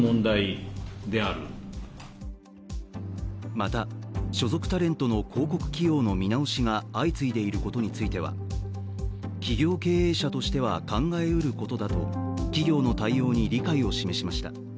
また、所属タレントの広告起用の見直しが相次いでいることについては企業経営者としては考え得ることだと企業の対応に理解を示しました。